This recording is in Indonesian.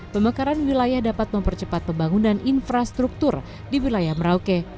pemekaran wilayah dapat mempercepat pembangunan infrastruktur di wilayah merauke